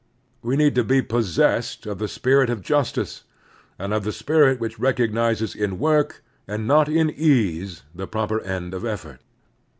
We need to be possessed of the spirit of justice and of the spirit which recognizes in work and not ease the proper end of effort.